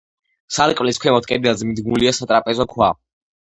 სარკმლის ქვემოთ კედელზე მიდგმულია სატრაპეზო ქვა.